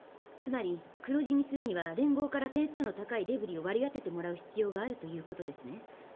つまり黒字にするには連合から点数の高いデブリを割り当ててもらう必要があるということですね。